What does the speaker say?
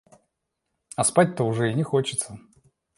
А спать-то уже и не хочется.